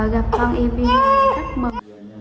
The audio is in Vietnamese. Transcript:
gặp con em em rất mừng